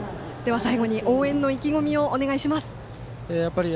最後に応援の意気込みをお願いします。